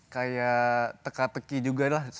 kayak teka teki juga lah